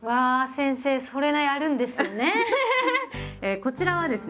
こちらはですね